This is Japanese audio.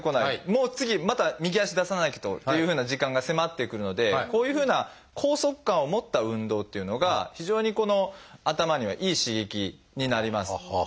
もう次また右足出さないとっていうふうな時間が迫ってくるのでこういうふうな拘束感を持った運動っていうのが非常に頭にはいい刺激になります。